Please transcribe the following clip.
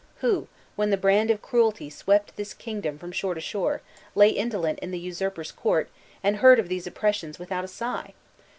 Who, when the brand of cruelty swept this kingdom from shore to shore, lay indolent in the usurper's court, and heard of these oppressions without a sigh?